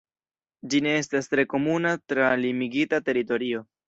Ĝi ne estas tre komuna tra limigita teritorio.